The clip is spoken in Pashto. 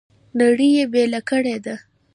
نړۍ یې بېله کړې ده.